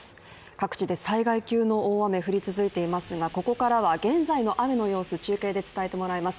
各地で災害急の大雨降り続いていますがここからは現在の雨の様子、中継で伝えてもらいます。